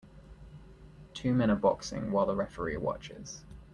Two men are boxing while the referee watches.